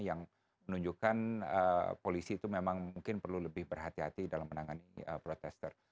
yang menunjukkan polisi itu memang mungkin perlu lebih berhati hati dalam menangani protester